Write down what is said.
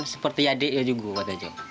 seperti adik dia juga katanya